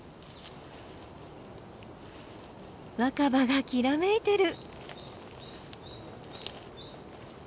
若葉がきらめいてる！